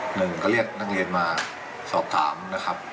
หนึ่งก็เรียกนักเรียนมาสอบถามนะครับ